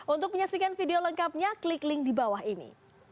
untuk menyaksikan video lengkapnya klik link di bawah ini